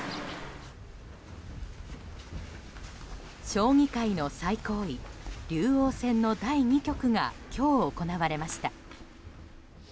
将棋界の最高位、竜王戦の第２局が今日行われました。